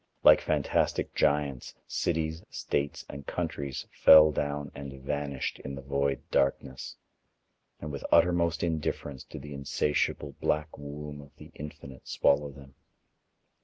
Like fantastic giants, cities, states, and countries fell down and vanished in the void darkness and with uttermost indifference did the insatiable black womb of the Infinite swallow them.